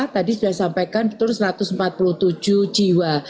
tadi sudah disampaikan betul satu ratus empat puluh tujuh jiwa